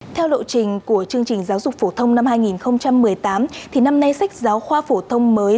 theo lộ trình của chương trình giáo dục phổ thông năm hai nghìn một mươi tám thì năm nay sách giáo khoa phổ thông mới